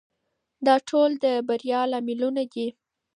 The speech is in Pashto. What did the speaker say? دا ټول د بریا لاملونه دي.